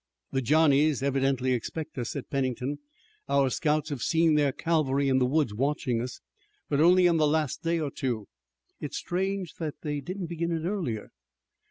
"The Johnnies evidently expect us," said Pennington. "Our scouts have seen their cavalry in the woods watching us, but only in the last day or two. It's strange that they didn't begin it earlier."